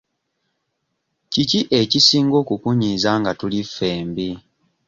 Kiki ekisinga okukunyiiza nga tuli ffembi?